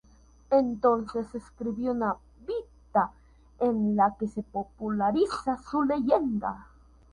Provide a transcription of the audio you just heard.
Entonces se escribió una "Vita" en la que se populariza su leyenda.